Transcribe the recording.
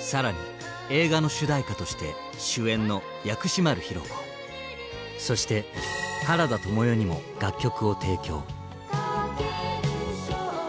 更に映画の主題歌として主演の薬師丸ひろ子そして原田知世にも楽曲を提供。